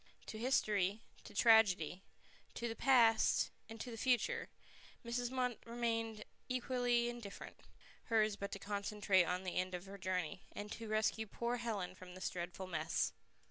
To history, to tragedy, to the past, to the future, Mrs. Munt remained equally indifferent; hers but to concentrate on the end of her journey, and to rescue poor Helen from this dreadful mess.